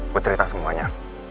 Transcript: gue cerita semuanya